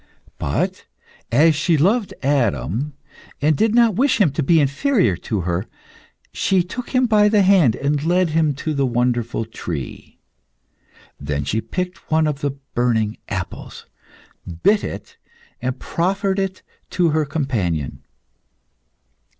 But, as she loved Adam, and did not wish him to be inferior to her, she took him by the hand and led him to the wonderful tree. Then she picked one of the burning apples, bit it, and proffered it to her companion.